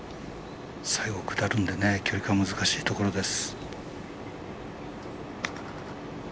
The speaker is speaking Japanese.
最後、下るので距離感難しいところです。